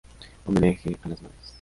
Homenaje a las Madres